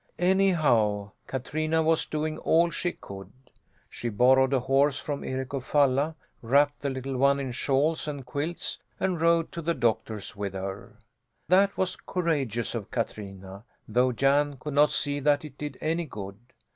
Anyhow, Katrina was doing all she could. She borrowed a horse from Eric of Falla, wrapped the little one in shawls and quilts and rode to the doctor's with her. That was courageous of Katrina though Jan could not see that it did any good.